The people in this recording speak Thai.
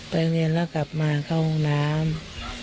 เรียนแล้วกลับมาเข้าห้องน้ำ